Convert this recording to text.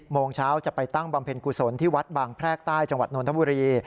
โมงเช้าจะไปตั้งบำเพ็ญกุศลที่วัดบางแพรกใต้จังหวัดนทบุรี